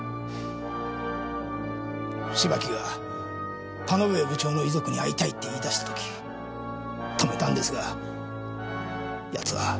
芝木が田ノ上部長の遺族に会いたいって言い出した時止めたんですが奴は耳を貸さなくて。